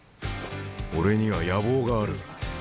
俺には野望がある。